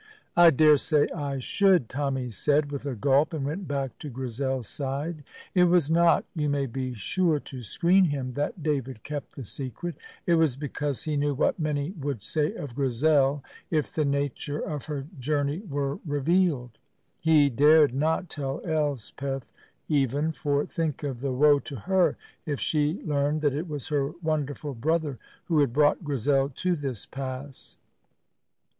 "I daresay I should," Tommy said, with a gulp, and went back to Grizel's side. It was not, you may be sure, to screen him that David kept the secret; it was because he knew what many would say of Grizel if the nature of her journey were revealed. He dared not tell Elspeth, even; for think of the woe to her if she learned that it was her wonderful brother who had brought Grizel to this pass!